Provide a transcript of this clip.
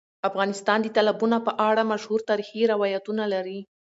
افغانستان د تالابونه په اړه مشهور تاریخی روایتونه لري.